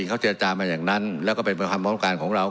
เขาเจรจามาอย่างนั้นแล้วก็เป็นความพร้อมการของเรา